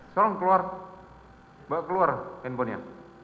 tolong keluar bawa keluar handphonenya